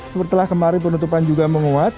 seperti telah kemarin penutupan juga menguat